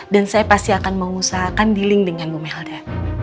dan saya pasti akan mengusahakan dealing dengan bu melda